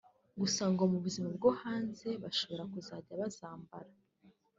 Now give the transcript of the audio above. gusa ngo mu buzima bwo hanze bashobora kujya bazambara